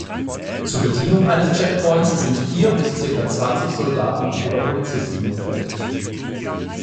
Zur Bedienung eines Checkpoints sind vier bis circa zwanzig Soldaten oder Polizisten notwendig.